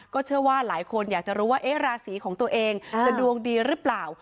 เชื่อว่าหลายคนอยากจะรู้ว่าราศีของตัวเองจะดวงดีหรือเปล่า